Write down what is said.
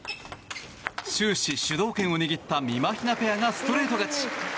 終始、主導権を握ったみまひなペアがストレート勝ち！